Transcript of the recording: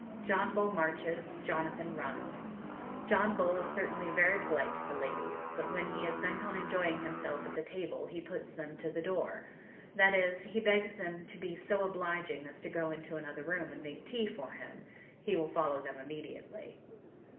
John Bull marches, Jonathan runs. John Bull is certainly very polite to the ladies, but when he is bent on enjoying himself at the table, he puts them to the door that is, he begs them to be so obliging as to go into another room and make tea for him, 'he will follow them immediately.'